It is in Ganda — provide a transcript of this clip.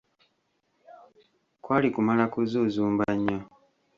Kwali kumala kuzuuzumba nnyo.